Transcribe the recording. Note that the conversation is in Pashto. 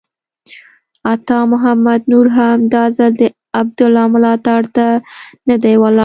عطا محمد نور هم دا ځل د عبدالله ملاتړ ته نه دی ولاړ.